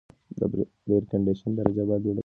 د اېرکنډیشن درجه باید لوړه کړل شي.